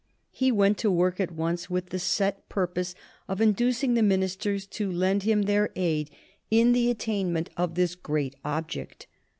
He went to work at once with the set purpose of inducing his ministers to lend him their aid in the attainment of this great object.